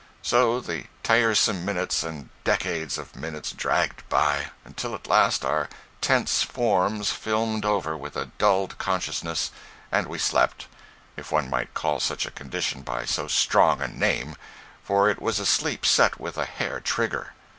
So the tiresome minutes and decades of minutes dragged away, until at last our tense forms filmed over with a dulled consciousness, and we slept, if one might call such a condition by so strong a name—for it was a sleep set with a hair trigger.